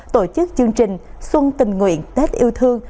tổ chức chương trình xuân tình nguyện tết yêu thương